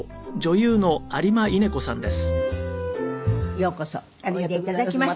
ようこそおいで頂きました。